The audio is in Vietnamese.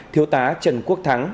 thiếu tá trần quốc thắng